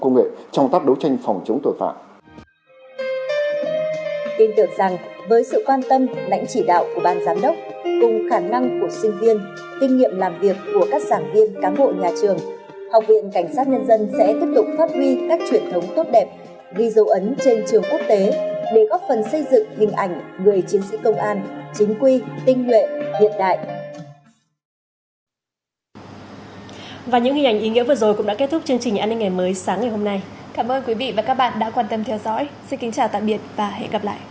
chủng ý nguyễn trung thành khi còn là sinh viên học viện cảnh sát nhân dân cũng vinh dự là thành viên đội tuyển tham dự cuộc thi